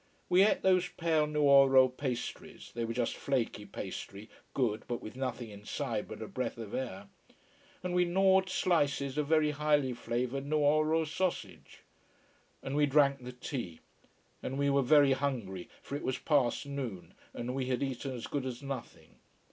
We ate those pale Nuoro pastries they were just flaky pastry, good, but with nothing inside but a breath of air. And we gnawed slices of very highly flavoured Nuoro sausage. And we drank the tea. And we were very hungry, for it was past noon, and we had eaten as good as nothing.